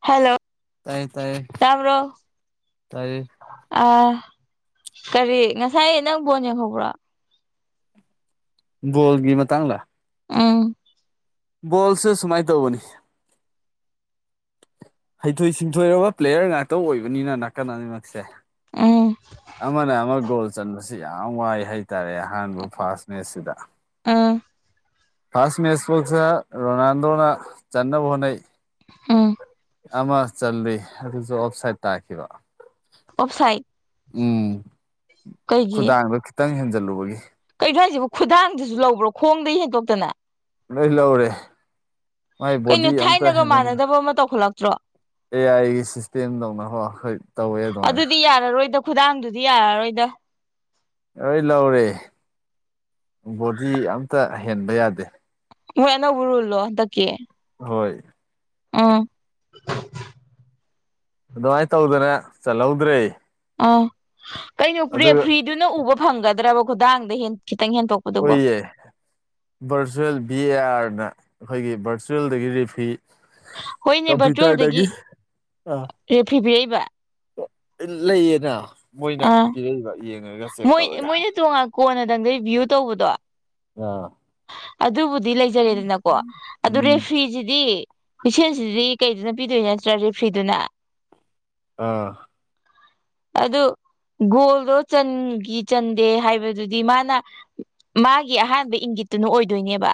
hello ꯇꯥꯏꯌꯦ ꯇꯥꯏꯌꯦ ꯇꯥꯕ꯭ꯔꯣ ꯇꯥꯏꯌꯦ ꯑꯥ ꯀꯔꯤ ꯉꯁꯥꯏ ꯅꯪ ꯕꯣꯟ ꯌꯦꯡꯍꯧꯕ꯭ꯔꯣ ꯕꯣꯜꯒꯤ ꯃꯇꯥꯡꯂ ꯎꯝ ꯕꯣꯜꯁꯦ ꯁꯨꯃꯥꯏꯅ ꯇꯧꯕꯅꯤ ꯍꯩꯊꯣꯏ ꯁꯤꯡꯊꯣꯏꯔꯕ ꯄ꯭ꯂꯦꯌꯔ ꯉꯥꯛꯇ ꯑꯣꯏꯕꯅꯤꯅ ꯅꯥꯀꯟ ꯑꯅꯤꯃꯛꯁꯦ ꯎꯝ ꯑꯃꯅ ꯑꯃ ꯒꯣꯜ ꯆꯟꯕ ꯁꯤ ꯌꯥꯝ ꯋꯥꯏ ꯍꯥꯏꯇꯥꯔꯦ ꯑꯍꯥꯟꯕ ꯐꯥꯁ ꯃꯦꯁꯁꯤꯗ ꯎꯝ ꯐꯥꯔꯁ ꯃꯦꯁ ꯐꯣꯜꯁ ꯔꯣꯅꯥꯜꯗꯣꯅ ꯆꯟꯅꯕ ꯍꯣꯠꯅꯩ ꯎꯝ ꯑꯃ ꯆꯜꯂꯤ ꯑꯗꯨꯁꯨ ꯑꯣꯞꯁꯥꯏꯠ ꯇꯥꯈꯤꯕ ꯑꯣꯞꯁꯥꯏꯠ ꯎꯝ ꯈꯨꯗꯥꯡꯗ ꯈꯤꯇꯪ ꯍꯦꯟꯖꯜꯂꯨꯕꯒꯤ ꯀꯩꯩꯅꯣ ꯍꯥꯏꯁꯤꯕꯨ ꯈꯨꯗꯥꯡꯗꯁꯨ ꯂꯧꯕ꯭ꯔꯣ ꯈꯣꯡꯗꯩ ꯍꯦꯟꯇꯣꯛꯇꯅ ꯂꯣꯏ ꯂꯧꯔꯦ ꯃꯥꯏ ꯀꯩꯅꯣ ꯕꯣꯗꯤ ꯑꯝꯇ ꯊꯥꯏꯅꯒ ꯍꯦꯟꯖꯟꯕ ꯃꯥꯟꯅꯗꯕ ꯑꯃ ꯇꯧꯈꯠꯂꯛꯇ꯭ꯔꯣ ꯑꯦ ꯑꯥꯏꯒꯤ ꯁꯤꯁꯇꯦꯝꯗꯧꯅ ꯍꯣ ꯍꯣꯏ ꯇꯧꯋꯦ ꯑꯗꯨꯃꯥꯏꯅ ꯑꯗꯨꯗꯤ ꯌꯥꯔꯔꯣꯏꯗ ꯈꯨꯗꯥꯡꯗꯨꯗꯤ ꯌꯥꯔꯔꯣꯏꯗ ꯂꯣꯏ ꯂꯧꯔꯦ ꯕꯣꯗꯤ ꯑꯝꯇ ꯍꯦꯟꯕ ꯌꯥꯗꯦ ꯃꯣꯏ ꯑꯅꯧꯕ ꯔꯨꯜꯂꯣ ꯍꯟꯗꯛꯀꯤ ꯍꯣꯏ ꯎꯝ ꯑꯗꯨꯃꯥꯏꯅ ꯇꯧꯗꯅ ꯆꯜꯍꯧꯗ꯭ꯔꯦ ꯑ ꯀꯩꯅꯣ ꯑꯗꯨꯒ ꯔꯦꯐ꯭ꯔꯤꯗꯨꯅ ꯎꯕ ꯐꯪꯒꯗ꯭ꯔꯕ ꯈꯨꯗꯥꯡꯗ ꯈꯤꯇꯪ ꯍꯦꯟꯗꯣꯛ ꯑꯣꯏꯌꯦ ꯚꯔꯆꯨꯋꯦꯜ ꯕꯤ ꯑꯦ ꯑꯥꯔꯅ ꯑꯩꯈꯣꯏꯒꯤ ꯚꯔꯆꯨꯋꯦꯜꯗꯒꯤ ꯔꯤꯐꯤ ꯍꯣꯏꯅꯦ ꯚꯔꯆꯨꯋꯦꯜꯗꯒꯤ ꯀꯝꯄ꯭ꯌꯨꯇꯔꯗꯒꯤ ꯑ ꯔꯦꯐ꯭ꯔꯤ ꯄꯤꯔꯛꯏꯕ ꯂꯩꯌꯦꯅ ꯃꯣꯏꯅ ꯑꯥ ꯄꯤꯔꯛꯏꯕ ꯌꯦꯡꯉꯒ ꯆꯦꯛ ꯇꯧꯔꯒ ꯀꯣꯟꯅꯗꯪꯗ ꯔꯤꯚ꯭ꯌꯨ ꯇꯧꯕꯗꯣ ꯑ ꯑꯗꯨꯕꯨꯗꯤ ꯂꯩꯖꯔꯦꯗꯅꯀꯣ ꯑꯗꯨ ꯎꯝ ꯔꯦꯐꯤꯁꯤꯗꯤ ꯍꯨꯏꯁꯦꯜꯁꯤꯗꯤ ꯀꯩꯗꯨꯅ ꯄꯤꯗꯣꯏ ꯅꯠꯇ꯭ꯔꯣ ꯔꯦꯐ꯭ꯔꯤꯗꯨꯅ ꯑꯥ ꯑꯗꯨ ꯒꯣꯜꯗꯣ ꯆꯟꯈꯤ ꯆꯟꯗꯦ ꯍꯥꯏꯕꯗꯨꯗꯤ ꯃꯥꯅ ꯃꯥꯒꯤ ꯑꯍꯥꯟꯕ ꯏꯪꯒꯤꯠꯇꯨꯅ ꯑꯣꯏꯗꯣꯏꯅꯦꯕ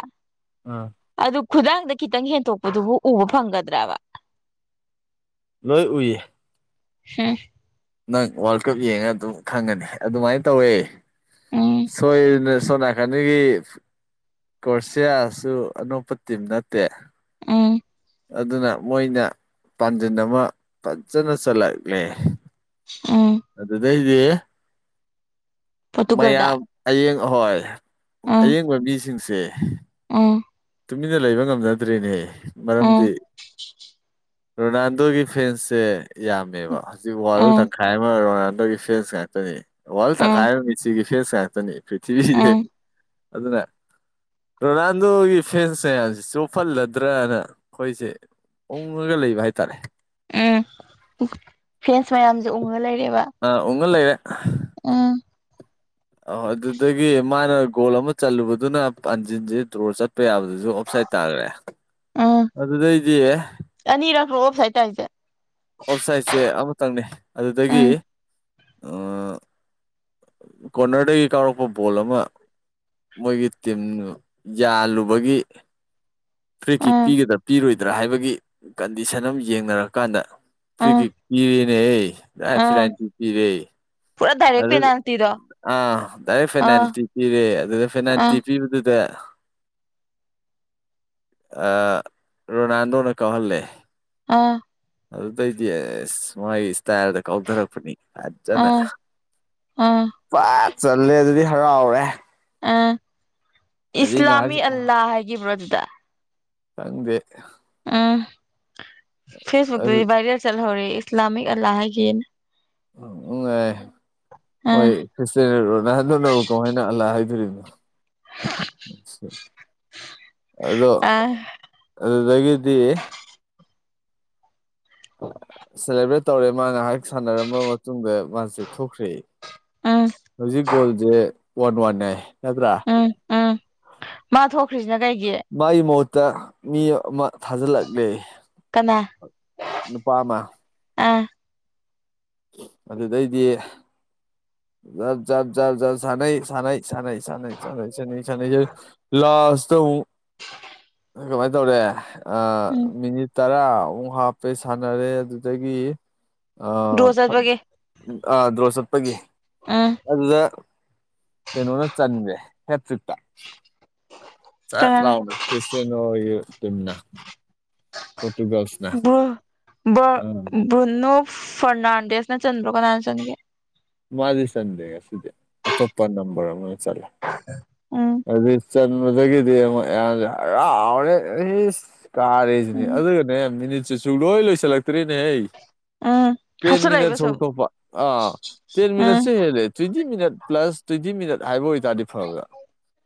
ꯑꯥ ꯑꯗꯨ ꯈꯨꯗꯥꯡꯗ ꯈꯤꯇꯪ ꯍꯦꯟꯇꯣꯛꯄꯗꯨꯕꯨ ꯎꯕ ꯐꯪꯒꯗ꯭ꯔꯕ ꯅꯣꯏ ꯎꯏ ꯍꯝ ꯅꯪ ꯋꯥꯔꯜ ꯀꯞ ꯌꯦꯡꯉ ꯑꯗꯨꯝ ꯈꯪꯒꯅꯤ ꯑꯗꯨꯃꯥꯏꯅ ꯇꯧꯋꯦ ꯎꯝ ꯁꯣꯏꯔꯅ ꯁꯣ ꯍꯅꯒꯤ ꯀ꯭ꯔꯣꯁꯤꯌꯥꯁꯨ ꯑꯅꯣꯞꯄ ꯇꯤꯝ ꯅꯠꯇꯦ ꯑ ꯑꯗꯨꯅ ꯃꯣꯏꯅ ꯄꯥꯟꯖꯤꯜ ꯑꯃ ꯐꯖꯅ ꯆꯠꯂꯛꯂꯦ ꯑ ꯑꯗꯨꯗꯅꯦ ꯏꯦ ꯄꯣꯔꯇꯨꯒꯜꯗ ꯃꯌꯥꯝ ꯑꯌꯦꯡ ꯑꯍꯣꯏ ꯑꯌꯦꯡꯕ ꯃꯤꯁꯤꯡꯁꯦ ꯑꯥ ꯇꯨꯃꯤꯟꯅ ꯂꯩꯕ ꯉꯝꯅꯗ꯭ꯔꯤꯅꯦ ꯃꯔꯝꯗꯤ ꯎꯝ ꯔꯣꯅꯥꯜꯗꯣꯒꯤ ꯐꯦꯟꯁꯦ ꯌꯥꯝꯃꯦꯕ ꯍꯧꯖꯤꯛ ꯋꯥꯌꯜ ꯎꯝ ꯍꯥꯏꯔꯤꯕ ꯔꯣꯅꯥꯜꯗꯣꯒꯤ ꯐꯦꯟꯁ ꯉꯥꯛꯇꯅꯤ ꯋꯥꯔꯜ ꯇꯛ ꯎꯝ ꯍꯥꯏꯔꯤꯕ ꯃꯤꯁꯤꯒꯤ ꯐꯦꯟꯁ ꯉꯥꯛꯇꯅꯤ ꯄ꯭ꯔꯤꯊꯤꯕꯤ ꯏꯦ ꯎꯝ ꯑꯗꯨꯗꯅ ꯔꯣꯅꯥꯜꯗꯣ ꯐꯦꯟꯁ ꯃꯌꯥꯝꯁꯤꯦ ꯆꯣꯍꯜꯂꯗ꯭ꯔꯅ ꯑꯩꯈꯣꯏꯁꯦ ꯎꯡꯉꯒ ꯂꯩꯕ ꯍꯥꯏꯇꯥꯔꯦ ꯎꯝ ꯎ ꯐ꯭ꯔꯦꯟꯁ ꯃꯌꯥꯝꯁꯨ ꯎꯡꯉ ꯂꯩꯔꯦꯕ ꯥ ꯎꯒ ꯂꯩꯔꯦ ꯎꯝ ꯑꯍꯣꯏ ꯑꯗꯨꯗꯒꯤ ꯃꯥꯅ ꯒꯣꯜ ꯑꯃ ꯆꯜꯂꯨꯕꯗꯨꯅ ꯑꯟꯖꯤꯟꯁꯦ ꯇꯣꯔ ꯆꯠꯄ ꯌꯥꯕꯗꯨꯁꯨ ꯑꯣꯞ ꯁꯥꯏꯠ ꯇꯥꯈ꯭ꯔꯦ [unintelligible] ꯑꯗꯨꯗ ꯏꯑꯦ ꯑꯅꯤꯔꯛ꯭ꯔꯣ ꯑꯣꯐ ꯁꯥꯏꯗ ꯇ ꯍꯥꯏꯁꯦ ꯑꯣꯞ ꯁꯥꯏꯠꯁꯦ ꯑꯃꯇꯪꯅꯦ ꯑꯗꯨꯗꯒꯤ ꯎꯝ ꯀꯅꯔꯗꯒꯤ ꯀꯥꯎꯔꯛꯄ ꯕꯣꯜ ꯑꯃ ꯃꯣꯏꯒꯤ ꯇꯤꯝꯅ ꯌꯥꯜꯂꯨꯕꯒꯤ ꯐ꯭ꯔꯦꯛꯀꯤ ꯎꯝ ꯄꯤꯒꯗ ꯄꯤꯔꯣꯏ ꯒꯗ꯭ꯔꯥ ꯍꯥꯏꯕꯒꯤ ꯀꯟꯗꯤꯁꯟ ꯑꯃ ꯌꯦꯡꯅꯔꯀꯥꯟꯗ ꯎꯝ ꯀ꯭ꯔꯤꯀꯤꯦꯠ ꯀꯤꯔꯤꯦꯅꯦ ꯔꯥꯏ ꯐ ꯂꯥꯏꯟꯇꯤ ꯀꯤꯔꯦ ꯍꯔꯛ ꯄꯦꯟꯅꯥꯇꯗꯣ ꯑꯥ ꯗꯥꯏꯔꯦꯛ ꯐꯦꯅꯥꯜꯇꯤ ꯄꯤꯔꯦ ꯑꯗꯨꯗ ꯑꯥ ꯐꯦꯅꯥꯜꯇꯤ ꯄꯤꯕꯗꯨꯗ ꯔꯣꯅꯥꯜꯗꯣꯅ ꯀꯥꯎꯍꯜꯂꯦ ꯑꯥ ꯑꯗꯨꯗꯩꯗꯤ ꯑꯁ ꯃꯥꯒꯤ ꯏꯁꯇꯥꯏꯜꯗ ꯀꯥꯎꯊꯔꯛꯄꯅꯤ ꯐꯖꯅ ꯑꯥ ꯑꯥ ꯄꯠ ꯆꯜꯂꯦ ꯑꯗꯨꯗꯤ ꯍꯔꯥꯎꯔꯦ ꯑ ꯑꯗꯩ ꯏꯁꯂꯥꯃꯤ ꯉꯥꯏꯍꯥꯛ ꯑꯜꯂꯥ ꯍꯥꯏꯈꯤꯕ꯭ꯔꯣ ꯑꯗꯨꯗ ꯈꯪꯗꯦ ꯎꯝ ꯑꯗꯨ ꯐꯦꯁꯕꯨꯛꯇꯗꯤ ꯚꯥꯏꯔꯦꯜ ꯆꯠꯍꯧꯔ ꯏꯁꯂꯥꯃꯤꯛ ꯑꯂꯥ ꯍꯥꯏꯒꯦꯅ ꯎ ꯎꯝ ꯍꯣꯏ ꯔꯣ ꯅꯍꯥꯟꯗꯅ ꯀꯃꯍꯥꯏꯅ ꯑꯜꯂꯥ ꯍꯥꯏꯗꯣꯔꯤꯕꯅꯣ ꯑꯗꯣ ꯑꯥ ꯑꯗꯨꯒꯗꯗꯤ ꯍ ꯁꯦꯂꯦꯕ꯭ꯔꯦꯠ ꯇꯧꯔꯦ ꯃꯥ ꯉꯥꯏꯍꯥꯛ ꯁꯥꯟꯅꯔꯃ ꯃꯇꯨꯡꯗ ꯃꯥꯁꯦ ꯊꯣꯛꯈ꯭ꯔꯦ ꯎꯝ ꯍꯧꯖꯤꯛ ꯒꯣꯜꯖꯦ ꯋꯥꯟ ꯋꯥꯟꯅꯦ ꯅꯠꯇ꯭ꯔꯥ ꯎꯝ ꯎꯝ ꯃꯥ ꯊꯣꯛꯈ꯭ꯔꯤꯁꯤꯅ ꯀꯩꯒꯤ ꯃꯥꯒꯤ ꯃꯍꯨꯠꯇ ꯃꯤ ꯑꯃ ꯊꯥꯖꯤꯜꯂꯛꯂꯦ ꯀꯅꯥ ꯅꯨꯄꯥ ꯑꯃ ꯑꯥ ꯑꯗꯨꯗꯩꯗꯤ ꯖꯥꯞ ꯖꯥꯞ ꯖꯥꯞ ꯖꯥꯞ ꯁꯥꯟꯅꯩ ꯁꯥꯟꯅꯩ [unintelligible] ꯀꯃꯥꯏꯅ ꯇꯧꯔꯦ ꯎꯝ ꯃꯤꯅꯤꯠ ꯇꯔꯥ ꯑꯃꯨꯛ ꯍꯥꯞ ꯆꯩꯩ ꯁꯥꯟꯅꯔꯦ ꯑꯗꯨꯗꯒꯤ ꯗ꯭ꯔꯣ ꯆꯠꯄꯒꯤ ꯗ꯭ꯔꯣ ꯆꯠꯄꯒꯤ ꯑ ꯑꯗꯨꯗ ꯀꯩꯅꯣꯅ ꯆꯟꯒꯔ꯭ꯦ ꯍꯦꯇ꯭ꯔꯤꯛ ꯆꯠ ꯀꯅꯥꯅ ꯂꯥꯎ ꯈ꯭ꯔꯤꯁꯇꯤꯅꯣꯒꯤ ꯄꯣꯇꯨꯒꯜꯁꯅ ꯕꯣ ꯕꯨꯔꯅꯣ ꯐꯔꯅꯥꯟꯗꯦꯁꯅ ꯆꯟꯕ꯭ꯔꯣ ꯀꯅꯥꯅ ꯆꯟꯒꯦ ꯃꯥꯗꯤ ꯆꯟꯗꯦ ꯉꯁꯤꯗꯤ ꯑꯇꯣꯞꯄ ꯅꯝꯕꯔ ꯑꯃꯅ ꯆꯜꯂꯦ ꯎꯝ ꯑꯗꯨꯗꯤ ꯆꯟꯕꯗꯒꯤꯗꯤ ꯑꯃꯨꯛ ꯃꯌꯥꯝꯁꯦ ꯍꯔꯥꯎꯔꯦ ꯑꯩꯁ ꯀꯥꯔꯦꯁꯤꯅꯤ ꯎꯝ ꯑꯗꯨꯒꯅꯦ ꯃꯤꯅꯤꯠꯁꯤ ꯁꯨꯡꯂꯣꯏ ꯂꯣꯏꯁꯤꯜꯂꯛꯇꯔ꯭ꯦꯅꯦꯍꯦ ꯎꯝ ꯇꯦꯟ ꯃꯤꯅꯠ ꯍꯥꯞꯆꯜꯂꯛꯏꯕ ꯁꯨꯝ ꯍꯧꯇꯣꯛꯄ ꯑꯥ ꯇꯦꯟ ꯎꯝ ꯃꯤꯅꯠꯁꯦ ꯍꯦꯜꯂꯦ twenty minute plus twenty minute ꯍꯥꯏꯕ ꯑꯣꯏꯇꯥꯔꯗꯤ ꯐꯕ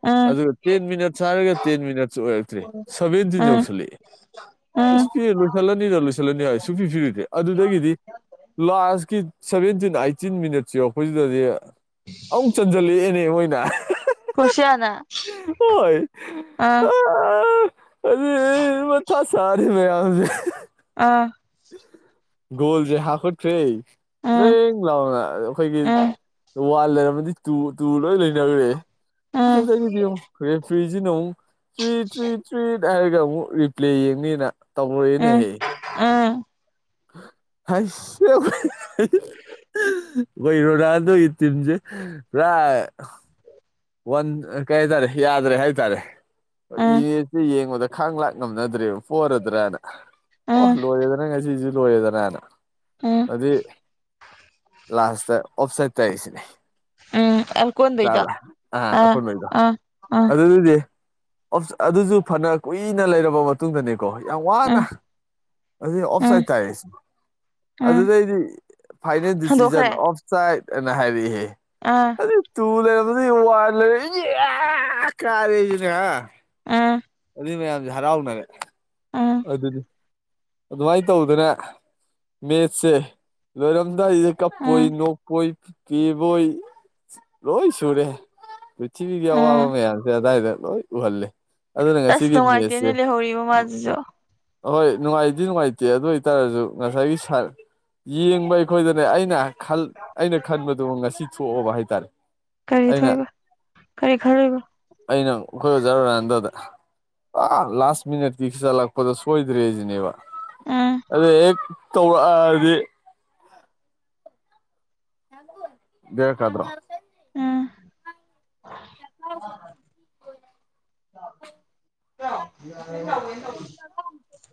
ꯎꯝ ꯑꯗꯨꯒ ꯇꯦꯟ ꯃꯤꯅꯠꯁ ꯍꯥꯏꯔꯒ ꯇꯦꯟ ꯃꯤꯅꯠꯁ ꯑꯣꯏꯔꯛꯇ꯭ꯔꯦ ꯁꯚꯦꯟꯇꯤꯟ ꯎꯝ ꯌꯧꯁꯜꯂꯛꯑꯦ ꯎꯝ ꯏꯁ ꯄꯤ ꯂꯣꯏꯁꯤꯜꯂꯅꯤꯗ ꯂꯣꯏꯁꯤꯜꯂꯅꯤ ꯍꯥꯏ ꯁꯨ ꯄꯤ ꯄꯤꯔꯤꯗꯦ ꯑꯗꯨꯗꯒꯤꯗꯤ ꯂꯥꯁꯀꯤ ꯁꯚꯦꯟꯇꯤꯟ ꯑꯥꯢ ꯐꯤꯞꯇꯤꯟ ꯃꯤꯅꯠꯁ ꯌꯧꯔꯛꯄꯁꯤꯗꯗꯤ ꯑꯃꯨꯛ ꯆꯟꯁꯤꯜꯂꯛꯑꯦꯅꯦ ꯃꯣꯏꯅ ꯀ꯭ꯔꯣꯁꯤꯌꯥꯅ ꯑꯥ [unintelligible] ꯃꯊꯥ ꯁꯥꯔꯦ ꯃꯌꯥꯝꯁꯦ ꯑꯥ ꯒꯣꯜꯁꯦ ꯍꯥꯞꯀꯠꯈꯔ꯭ꯦ ꯇꯔ꯭ꯦꯡ ꯂꯥꯎꯅ ꯑꯩꯈꯣꯏꯒꯤ ꯋꯥꯟ ꯂꯩꯔꯝꯃꯗꯤ ꯇ ꯇꯨ ꯂꯣꯏ ꯂꯩꯅꯈ꯭ꯔꯦ ꯑꯗꯨꯗꯩꯗꯤ ꯑꯃꯨ ꯔꯦꯐ꯭ꯔꯤꯁꯤꯅ ꯑꯃꯨꯛ ꯇ꯭ꯔꯤ ꯇ꯭ꯔꯤꯠ ꯇ꯭ꯔꯤꯠ ꯍꯥꯏꯔꯒ ꯑꯃꯨꯛ ꯔꯤꯄ꯭ꯂꯦ ꯌꯦꯡꯅꯤꯅ ꯇꯧꯔꯛꯑꯦꯅꯦꯍꯦ ꯑꯥ [unintelligible] ꯑꯩꯈꯣꯏ ꯔꯣꯅꯥꯜꯗꯣꯒꯤ ꯇꯤꯝꯁꯦ ꯄꯨꯔꯥ ꯋꯥꯟ ꯀꯩ ꯍꯥꯏꯇꯥꯔꯦ ꯌꯥꯗ꯭ꯔꯦ ꯍꯥꯏꯇꯥꯔꯦ ꯌꯦꯁ ꯌꯦꯡꯕꯗ ꯈꯥꯡ ꯂꯥꯛ ꯉꯝꯅꯗ꯭ꯔꯦꯕ ꯄꯣꯔꯗ꯭ꯔꯥꯅ ꯑꯣ ꯂꯣꯏꯔꯦꯗꯅ ꯉꯁꯤꯁꯨ ꯂꯣꯏꯔꯦꯗꯅꯅ ꯍꯧꯖꯤꯛ ꯂꯥꯁꯇ ꯑꯣꯐꯁꯥꯏꯗ ꯇꯥꯏ ꯁꯤꯅꯤ ꯎꯝ ꯑꯀꯣꯟꯕꯩꯗꯣ ꯑ ꯑ ꯑ ꯑꯗꯨꯗꯤ ꯑꯗꯨꯁꯨ ꯐꯅ ꯀꯨꯏꯅ ꯂꯩꯔꯕ ꯃꯇꯨꯡꯗꯅꯤ ꯀꯣ ꯌꯥꯝ ꯎꯝ ꯋꯥꯅ ꯑꯗꯨ ꯑꯣꯞꯁꯥꯏꯠ ꯎꯝ ꯇꯥꯏꯔꯦꯁꯤ ꯎꯝ ꯑꯗꯨꯗꯩꯗꯤ ꯐꯥꯏꯅꯦꯜ ꯗꯤꯁꯤꯖꯟ ꯍꯟꯗꯣꯛꯈ꯭ꯔꯦ ꯑꯣꯐꯁꯥꯏꯠ ꯑꯅ ꯍꯥꯏꯔꯛꯑꯦꯍꯦ ꯑꯥ ꯇꯨ ꯂꯩꯔꯝꯕꯗꯩꯩ ꯋꯥꯟ ꯂꯩꯔꯦ ꯌꯦ ꯀꯔꯦꯅ ꯑꯥ ꯑꯗꯨꯏ ꯃꯌꯥꯝꯁꯦ ꯍꯔꯥꯎꯅꯔꯦ [unintelligible] ꯑꯗꯨꯅꯤ ꯑꯗꯨꯃꯥꯏꯅ ꯇꯧꯗꯅ ꯃꯦꯠꯁꯦ ꯂꯣꯏꯔꯝꯗꯥꯏꯁꯤꯗ ꯀꯞꯄꯣꯏ ꯎꯝ ꯅꯣꯛꯄꯣꯏ ꯀꯤꯕꯣꯏ ꯂꯣꯏ ꯁꯨꯔꯦꯍꯦ ꯄ꯭ꯔꯤꯊꯤꯕꯤꯒꯤ ꯑꯋꯥꯕ ꯎꯝ ꯃꯌꯥꯝꯁꯦ ꯑꯗꯥꯋꯥꯏꯗ ꯂꯣꯏ ꯎꯍꯜꯂꯦ ꯑꯗꯨꯅ ꯑꯁ ꯉꯁꯤꯒꯤ ꯃꯦꯠꯁꯁꯦ ꯅꯨꯡꯉꯥꯏꯇꯦꯅꯦ ꯂꯩꯍꯧꯔꯤꯕ ꯃꯥꯁꯤꯁꯨ ꯑꯍꯣꯏ ꯅꯨꯡꯉꯥꯏ ꯑꯗꯨ ꯅꯨꯡꯉꯥꯏꯇꯦ ꯑꯗꯨ ꯑꯣꯏꯇꯥꯔꯁꯨ ꯉꯁꯥꯏꯒꯤ ꯌꯦꯡꯕ ꯑꯩꯈꯣꯏꯗꯅꯦ ꯑꯩꯅ ꯑꯩꯅ ꯈꯟꯕꯗꯨꯣ ꯉꯁꯤ ꯊꯣꯛꯑꯕ ꯍꯥꯏꯇꯥꯔꯦ ꯀꯔꯤ ꯑꯩꯅ ꯊꯣꯛꯏꯕ ꯀꯔꯤ ꯈꯔꯣꯏꯕ ꯑꯩꯅ ꯑꯩꯈꯣꯏꯖꯔꯨꯔ ꯑꯟꯗꯗ ꯑ ꯂꯥꯁ ꯃꯤꯅꯠꯀꯤ ꯆꯠꯂꯛꯄꯗ ꯁꯣꯏꯗ꯭ꯔꯦꯁꯤꯅꯦꯕ ꯑꯥ ꯑꯗꯨꯗ ꯍꯦꯛ ꯇꯧꯔꯛꯑꯗꯤ ꯗꯕ ꯀꯗ꯭ꯔꯣ ꯑ ꯆꯠ ꯑ [inaudible]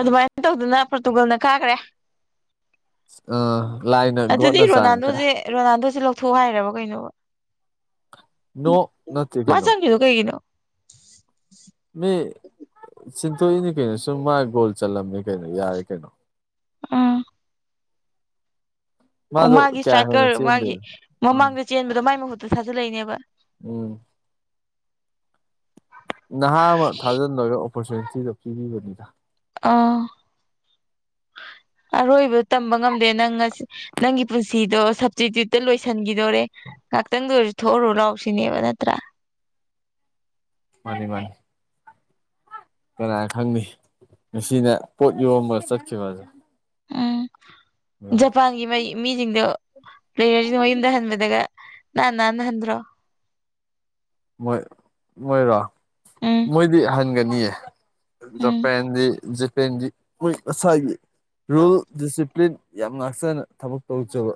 ꯑꯗꯨꯃꯥꯏꯅ ꯇꯧꯗꯅ ꯄꯣꯔꯇꯨꯒꯜꯅ ꯀꯥꯈ꯭ꯔꯦ ꯑꯥ ꯂꯥꯏꯅ ꯑꯗꯨꯗꯤ ꯒꯣꯠꯅ ꯆꯥꯟꯈ꯭ꯔꯦ ꯔꯣꯅꯥꯜꯗꯣꯁꯦ ꯔꯣꯅꯥꯜꯗꯣꯁꯦ ꯂꯧꯊꯣꯛ ꯍꯥꯏꯔꯕ ꯀꯩꯅꯣꯕ ꯅꯣ ꯅ ꯀꯩꯅꯣ ꯀꯒꯤꯅꯣ ꯃꯤ ꯆꯤꯟꯊꯣꯛꯏꯅꯤ ꯀꯩꯅꯣ ꯁꯨꯝ ꯃꯥꯥꯏ ꯒꯣꯜ ꯆꯠꯂꯝꯃꯦ ꯀꯩꯅꯣ ꯌꯥꯔꯦ ꯀꯩꯅꯣ ꯎꯝ ꯑꯣ ꯃꯥꯗꯣ ꯃꯥꯒꯤ ꯀꯌꯥ ꯍꯦꯟꯅ ꯏꯁꯇ꯭ꯔꯥꯏꯀꯔ ꯃꯥꯒꯤ ꯆꯦꯟꯗꯦꯗ ꯎꯝ ꯃꯃꯥꯡꯗ ꯆꯦꯟꯕꯗ ꯃꯥꯏ ꯃꯍꯨꯠꯇ ꯊꯥꯖꯤꯜꯂꯛꯏꯅꯦꯕ ꯎꯝ ꯅꯍꯥ ꯑꯃ ꯊꯥꯖꯟꯗꯣꯏꯒ ꯑꯣꯄꯣꯔꯆꯨꯅꯤꯇꯤꯗꯣ ꯄꯤꯕꯤꯕꯅꯤꯗ ꯑ ꯑꯔꯣꯏꯕ ꯇꯝꯕ ꯉꯝꯗꯦ ꯅꯪ ꯅꯪꯒꯤ ꯄꯨꯟꯁꯤꯗꯣ ꯁꯞꯇꯤꯇ꯭ꯌꯨꯠꯇ ꯂꯣꯏꯁꯤꯟꯈꯤꯗꯣꯔꯦ ꯉꯥꯏꯍꯥꯛꯇꯪꯗ ꯑꯣꯏꯔꯁꯨ ꯊꯣꯛꯎꯔꯨ ꯂꯥꯎꯁꯤꯅꯦꯕ ꯅꯠꯇ꯭ꯔꯥ ꯃꯥꯅꯤ ꯃꯥꯅꯤ ꯀꯅꯥꯅ ꯈꯪꯅꯤ ꯉꯁꯤꯅ ꯄꯣꯠ ꯌꯣꯝꯕ ꯆꯠꯈꯤꯕ ꯑꯁꯦ ꯎꯝ ꯖꯄꯥꯟꯒꯤ ꯃꯩ ꯃꯤꯁꯤꯡꯗꯣ ꯂꯩꯔꯁꯤ ꯃ ꯌꯨꯝꯗ ꯍꯟꯕꯗꯒ ꯅꯥꯟꯅ ꯅꯥꯟꯅ ꯍꯟꯗ꯭ꯔꯣ ꯃꯣꯏ ꯃꯣꯏꯔꯣ ꯎꯝ ꯃꯣꯏꯗꯤ ꯍꯟꯒꯅꯤꯌꯦ ꯎꯝ ꯖꯄꯦꯟꯗꯤ ꯖꯄꯦꯟꯣꯏꯁ ꯔꯨꯜ ꯗꯤꯁꯤꯄ꯭ꯂꯤꯟ ꯌꯥꯝ ꯉꯥꯛꯆꯅ ꯊꯕꯛ ꯇꯧꯖꯕ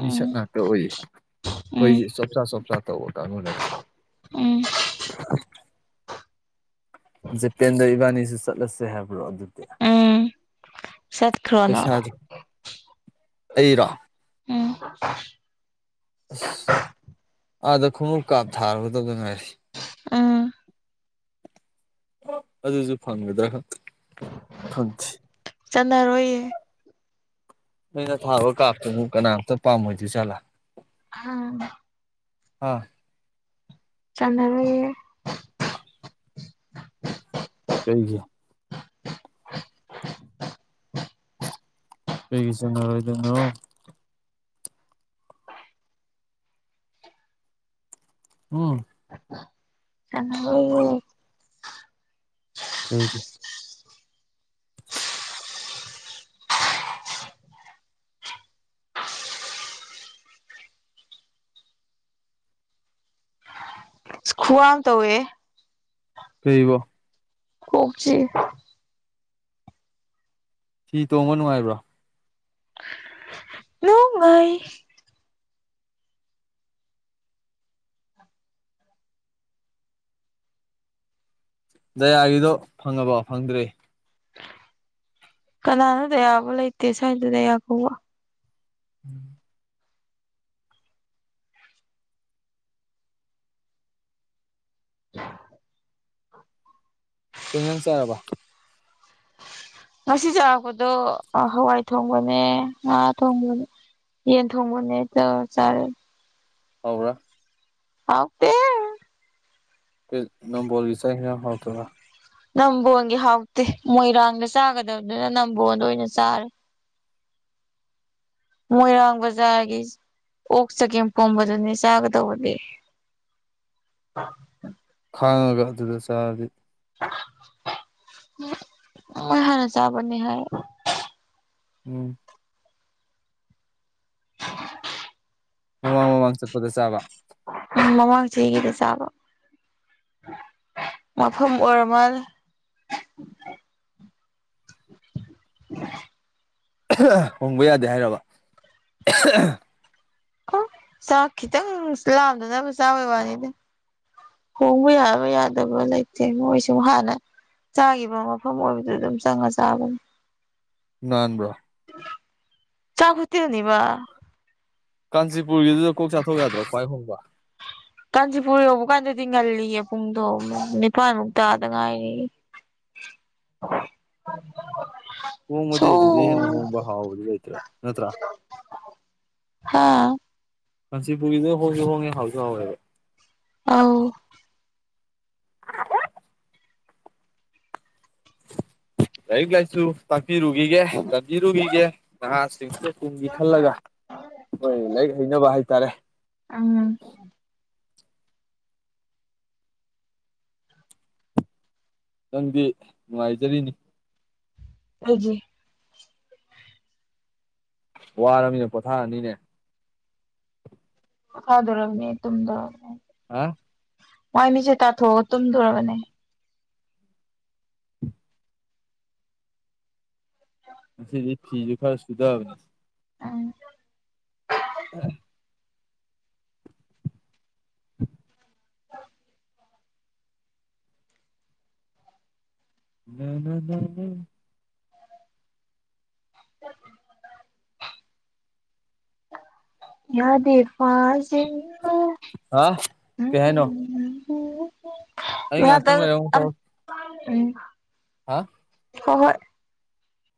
ꯃꯤꯁꯛ ꯉꯥꯛꯇ ꯑꯣꯏꯌꯦ ꯎꯝ ꯑꯩꯈꯣꯏꯗꯤ ꯆꯣꯞꯆꯥ ꯆꯣꯞꯆꯥ ꯇꯧꯕ ꯀꯥꯡꯕꯨ ꯅꯠꯇꯦ [inaudible] ꯎꯝ ꯖꯄꯦꯟꯗ ꯏꯕꯥꯅꯤꯁꯨ ꯆꯠꯂꯁꯦ ꯍꯥꯏꯕ꯭ꯔꯣ ꯑꯗꯨ ꯎꯝ ꯆꯠꯈ꯭ꯔꯣ ꯅꯪ ꯄꯩꯁꯥꯗ ꯑꯩꯔꯣ ꯎꯝ ꯑꯁ ꯑꯥꯗ ꯈꯣꯡꯎꯞ ꯀꯥꯞ ꯊꯥꯔꯨꯒꯗꯕꯗ ꯉꯥꯏꯔꯤ ꯑꯥ ꯑꯗꯨꯁꯨ ꯐꯪꯒꯗ꯭ꯔꯥ ꯈꯪꯗꯦ ꯆꯅꯥꯔꯣꯏꯌꯦ ꯅꯩꯅ ꯊꯥꯕ ꯀꯥꯞꯇꯨ ꯑꯃꯨꯛ ꯀꯅꯥꯝꯇ ꯄꯥꯝꯃꯣꯏꯗꯣꯏ ꯆꯠꯂꯥ ꯑꯥ ꯑꯥ ꯆꯅꯔ ꯀꯩꯒꯤ ꯄꯒꯤꯁꯅꯔꯣꯏꯗꯅꯣ ꯎꯝ ꯆꯅ ꯀꯒꯤ ꯈꯨꯋꯥ ꯑ ꯇꯧꯋꯦ ꯀꯔꯤꯕꯣ ꯀꯣꯛ ꯆꯤꯛꯑꯦ ꯍꯤ ꯇꯣꯡꯕ ꯅꯨꯡꯉꯥꯏꯕ꯭ꯔꯣ ꯂꯣꯡꯉꯥꯏ ꯖꯌꯥꯒꯤꯗꯣ ꯐꯪꯉꯕꯣ ꯐꯪꯗ꯭ꯔꯤ ꯀꯅꯥꯅꯣ ꯗꯌꯥꯕꯣ ꯂꯩꯇꯦ ꯁ꯭ꯋꯥꯏꯗ ꯗꯌꯥ ꯀꯧꯕ ꯎꯝ ꯀꯩ ꯏꯟꯖꯥꯡ ꯆꯥꯔꯕ ꯉꯁꯤ ꯆꯥꯔꯥꯛꯄꯗꯣ ꯍꯋꯥꯏ ꯊꯣꯡꯕꯅꯦ ꯉꯥ ꯊꯣꯡꯕꯅꯦ ꯌꯦꯟ ꯊꯣꯡꯃꯅꯦ ꯇꯧꯔ ꯆꯥꯔꯦ ꯍꯥꯎꯕ꯭ꯔꯥ ꯍꯥꯎꯇꯦ ꯀ ꯅꯝꯕꯣꯒꯤ ꯆꯥꯛ ꯏꯟꯖꯥꯡ ꯍꯥꯎꯇ꯭ꯔꯕ ꯅꯝꯕꯣꯟꯒꯤ ꯍꯥꯎꯇꯦ ꯃꯣꯏꯔꯥꯡꯗ ꯆꯥꯒꯗꯕꯗꯨꯅ ꯅꯝꯕꯣꯣꯟꯗ ꯑꯣꯏꯅ ꯆꯥꯔꯦ ꯃꯣꯏꯔꯥꯡ ꯕꯖꯥꯔꯒꯤ ꯑꯣꯛ ꯆꯒꯦꯝ ꯄꯣꯝꯕꯗꯨꯅꯦ ꯆꯥꯒꯗꯧꯕꯅꯦ ꯑ [inaudible] ꯈꯥꯡꯉꯒ ꯑꯗꯨꯗ ꯆꯥꯔꯗꯤ ꯃꯣꯏ ꯍꯥꯟꯅ ꯆꯥꯕꯅꯤ ꯍꯥꯏꯕꯕꯨ ꯎꯝ ꯃꯃꯥꯡ ꯃꯃꯥꯡ ꯆꯠꯄꯗ ꯆꯥꯕ ꯎꯝ ꯃꯃꯥꯡ ꯆꯍꯤꯗ ꯆꯥꯕ ꯃꯐꯝ ꯑꯣꯏꯔꯃꯜ ꯍꯣꯡꯕ ꯌꯥꯗꯦ ꯍꯥꯏꯔꯕ ꯑꯣ ꯆꯥꯛ ꯈꯤꯇꯪ ꯂꯥꯝꯗꯅꯕ ꯆꯥꯕꯩ ꯋꯥꯅꯤꯅꯦ ꯍꯣꯡꯕ ꯌꯥꯕ ꯌꯥꯗꯕ ꯂꯩꯇꯦ ꯃꯣꯏꯁꯨ ꯍꯥꯟꯅ ꯆꯥꯈꯤꯕ ꯃꯐꯝ ꯑꯣꯏꯕꯗꯨ ꯑꯗꯨꯝ ꯆꯪꯉ ꯆꯥꯕꯅꯤ ꯅꯟꯕ꯭ꯔꯣ ꯆꯥꯛ ꯈꯣꯇꯦꯜꯅꯤꯕ ꯀꯥꯟꯆꯤꯄꯨꯔꯒꯤꯗꯨꯗ ꯀꯣꯛ ꯆꯥꯊꯣꯛ ꯌꯥꯗ꯭ꯔꯣ ꯈ꯭ꯋꯥꯏ ꯍꯣꯡꯕ [inaudible] ꯀꯥꯟꯆꯤꯄꯨꯔ ꯌꯧꯕ ꯀꯥꯟꯗꯗꯤ ꯉꯜꯂꯤꯌꯦ ꯄꯨꯡꯗꯣꯝ ꯅꯤꯄꯥꯥꯟꯃꯨꯛ ꯇꯥꯗ ꯉꯥꯏꯔꯤꯌꯦ [inaudible] ꯍꯣꯡꯕꯗꯤ ꯑꯗꯨꯗꯒꯤ ꯍꯦꯟꯅ ꯍꯣꯡꯕ ꯍꯥꯎꯕꯗꯤ ꯂꯩꯇ꯭ꯔꯦ ꯅꯠꯇ꯭ꯔꯥ ꯍꯥ ꯀꯥꯟꯆꯤꯄꯨꯔꯒꯤꯗꯨꯅ ꯍꯣꯡꯁꯨ ꯍꯣꯡꯉꯦ ꯍꯥꯎꯁꯨ ꯍꯥꯎꯋꯦꯕ ꯑꯥꯎ ꯂꯥꯏꯔꯤꯛ ꯂꯥꯏꯁꯨ ꯇꯥꯛꯄꯤꯔꯨꯈꯤꯒꯦ ꯇꯝꯕꯤꯔꯨꯈꯤꯒꯦ ꯅꯍꯥꯁꯤꯡꯁꯦ ꯇꯨꯝꯒꯤ ꯈꯜꯂꯒ ꯍꯣꯏ ꯂꯥꯏꯔꯤꯛ ꯍꯩꯅꯕ ꯍꯥꯏꯇꯥꯔꯦ ꯑꯝ ꯅꯪꯗꯤ ꯅꯨꯡꯉꯥꯏꯖꯔꯤꯅꯤ ꯀꯩꯒꯤ ꯋꯥꯔꯕꯅꯤꯅ ꯄꯣꯊꯥꯔꯅꯤꯅꯦ ꯄꯣꯊꯥꯖꯔꯝꯅꯤ ꯇꯨꯝꯗꯕ ꯃꯣꯏ ꯍꯥ ꯃꯥꯏ ꯃꯤꯠꯁꯦ ꯇꯥꯊꯣꯛꯑꯒ ꯇꯨꯝꯗꯣꯔꯕꯅꯦ ꯉꯁꯤꯗꯤ ꯐꯤꯁꯨ ꯈꯔ ꯁꯨꯗꯕꯅꯤ ꯑꯡ [inaudible] [unintelligible] [unintelligible] [inaudible] ꯌꯥꯗꯦ ꯐꯖꯤꯟꯕ ꯍꯥ ꯀꯩ ꯍꯥꯏꯅꯣ ꯑꯩ ꯌꯥꯗ ꯉꯥꯏꯍꯥꯛꯇꯪ ꯂꯩꯔ ꯑꯃꯨꯛ ꯇꯧꯔꯛꯀꯦ ꯦ ꯍꯥ ꯍ‌ꯧ ꯍꯣꯏ